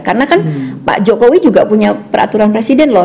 karena kan pak jokowi juga punya peraturan presiden loh